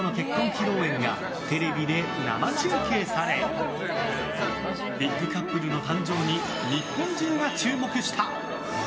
披露宴がテレビで生中継されビッグカップルの誕生に日本中が注目した。